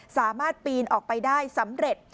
สามารถปีนออกไปได้สำเร็จ